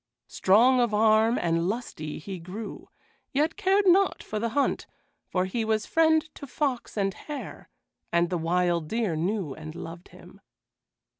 Strong of arm and lusty he grew, yet cared not for the hunt, for he was friend to fox and hare, and the wild deer knew and loved him.